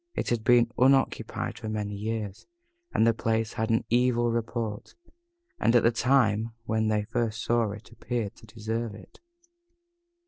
It had been unoccupied for many years, and the place had an evil report, and, at the time when they first saw it, appeared to deserve it.